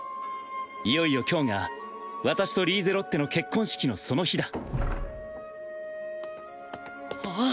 いよいよ今日が私とリーゼロッテの結婚式のその日だあっ。